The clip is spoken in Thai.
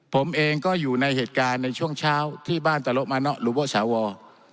ผมเองก็อยู่ในเหตุการณ์ในช่วงเช้าที่บ้านตลอดมะน๊อห์หรือบกสาวอลลล